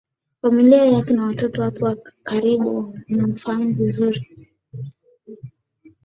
Familia yake na watu wake wa karibu wanamfahamu vizuri